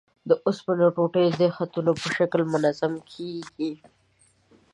د اوسپنې ټوټې د خطونو په شکل منظمې کیږي.